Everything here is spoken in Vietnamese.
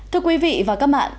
thưa quý vị và các bạn